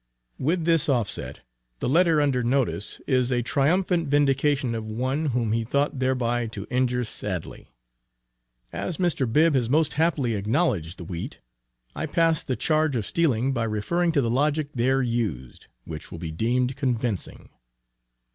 With this offset, the letter under notice is a triumphant vindication of one, whom he thought there by to injure sadly. As Mr. Bibb has most happily acknowledged the wheat, (see page 130,) I pass the charge of stealing by referring to the logic there used, which will be deemed convincing.